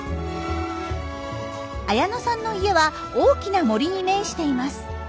綾乃さんの家は大きな森に面しています。